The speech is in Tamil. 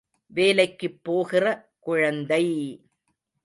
வேலைக்குப் போகிற குழந்தை!